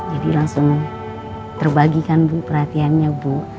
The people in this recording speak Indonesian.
langsung terbagikan bu perhatiannya bu